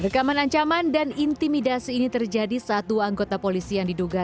rekaman ancaman dan intimidasi ini terjadi saat dua anggota polisi yang diduga